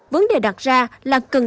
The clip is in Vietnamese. vấn đề đặt ra là cần đạt